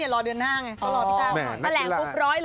๑๐๐รอเดือนหน้าไงต้องรอพี่ก้าว